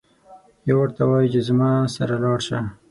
یو ورته وایي چې زما سره لاړشه.